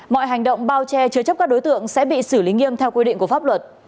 mọi hành động bao che chứa chấp các đối tượng sẽ bị xử lý nghiêm theo quy định của pháp luật